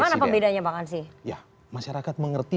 bagaimana pembedanya bang ansi ya masyarakat mengerti